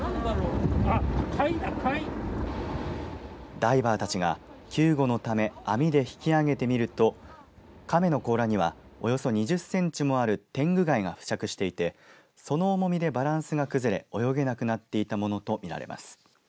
ダイバーたちが救護のため網で引き上げてみるとカメの甲羅にはおよそ２０センチもあるテングガイが付着していてその重みでバランスが崩れ泳げなくなっていたものとみられます。